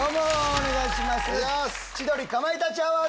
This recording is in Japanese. お願いします。